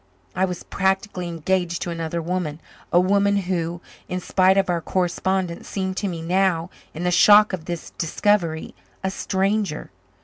I was practically engaged to another woman a woman who, in spite of our correspondence, seemed to me now, in the shock of this discovery, a stranger.